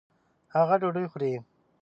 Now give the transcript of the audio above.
هغه ډوډۍ خوري